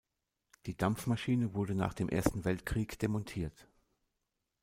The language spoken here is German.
Die Dampfmaschine wurde nach dem Ersten Weltkrieg demontiert.